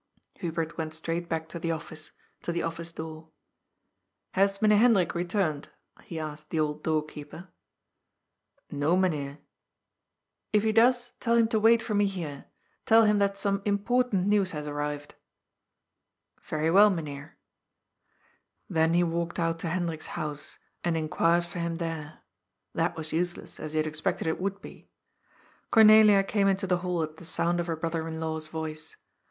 Hubert went straight back to the Office, to the Office door. " Has Mynheer Hendrik returned ?" he asked the old door keeper. " No, Mynheer." " If he does, tell him to wait for me here. Tell him that some important news has arrived." " Very well, Mynheer." Then he walked out to Hendrik's house and inquired for him there. That was useless, as he had expected it would be. Cornelia came into the hall at the sound of her broth er in law's voice.